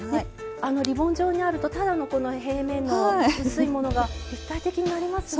あのリボン状にあるとただのこの平面の薄いものが立体的になりますね。